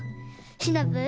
シナプー